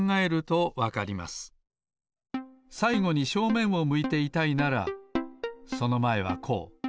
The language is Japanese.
さいごに正面を向いていたいならそのまえはこう。